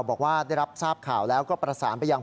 บอกว่าได้รับทราบข่าวแล้วก็ประสานไปยัง